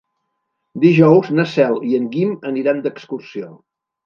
Dijous na Cel i en Guim aniran d'excursió.